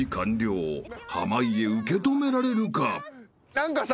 ［濱家受け止められるか］